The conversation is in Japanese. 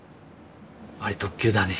あれ特急だね。